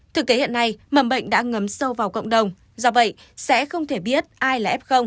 thực tế hiện nay mầm bệnh đã ngấm sâu vào cộng đồng do vậy sẽ không thể biết ai là f